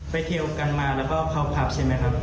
เที่ยวกันมาแล้วก็เข้าผับใช่ไหมครับ